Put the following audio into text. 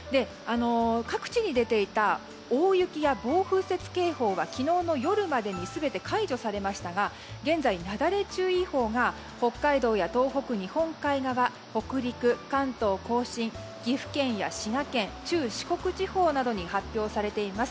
各地に出ていた大雪や暴風雪警報は昨日の夜までに全て解除されましたが現在、なだれ注意報が北海道や東北、日本海側北陸、関東・甲信岐阜県や滋賀県中四国地方などに発表されています。